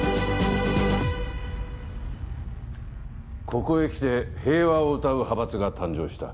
ここへ来て平和をうたう派閥が誕生した。